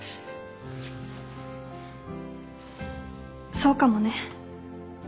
そうかもね。